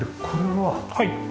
はい。